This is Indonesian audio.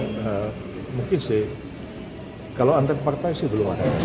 terkait peran dan posisi pak jokowi di koalisi